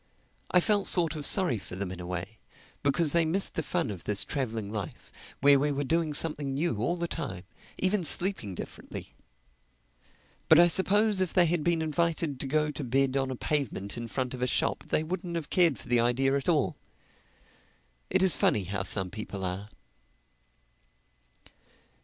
I felt sort of sorry for them in a way, because they missed the fun of this traveling life, where we were doing something new all the time—even sleeping differently. But I suppose if they had been invited to go to bed on a pavement in front of a shop they wouldn't have cared for the idea at all. It is funny how some people are.